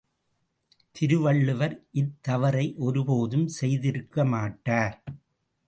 திருவள்ளுவர் இத் தவறை ஒருபோதும் செய்திருக்கமாட்டார்.